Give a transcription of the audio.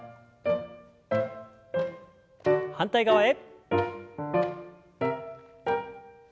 反対側へ。